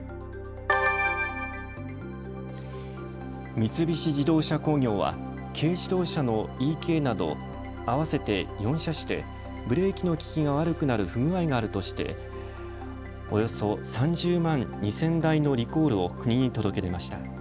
三菱自動車工業は軽自動車のｅＫなど、合わせて４車種でブレーキの利きが悪くなる不具合があるとしておよそ３０万２０００台のリコールを国に届け出ました。